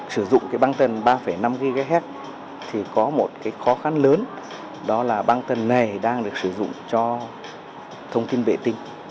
sử dụng băng tần ba năm ghz thì có một khó khăn lớn đó là băng tần này đang được sử dụng cho thông tin vệ tinh